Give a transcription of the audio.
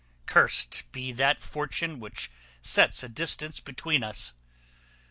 Curst be that fortune which sets a distance between us.